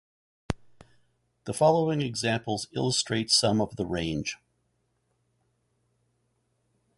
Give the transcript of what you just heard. The following examples illustrate some of the range.